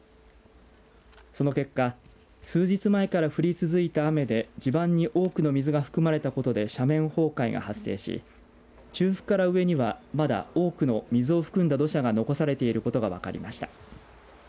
その結果数日前から降り続いた雨で地盤に多くの水が含まれたことで斜面崩壊が発生し中腹から上にはまだ多くの水を含んだ土砂が残されていることが分かりました。